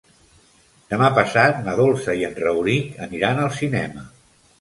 Demà passat na Dolça i en Rauric aniran al cinema.